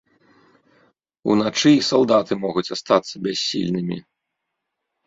Уначы і салдаты могуць астацца бяссільнымі.